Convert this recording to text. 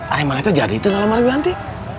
ayo malah itu jadi itu dalam hari nanti